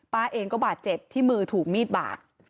ป้าเองก็บาดเจ็บที่มือถูกมีดบาก